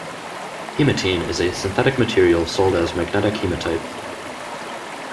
Hematine is a synthetic material sold as "magnetic hematite".